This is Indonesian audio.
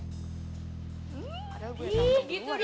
padahal gue udah nanggap gue deh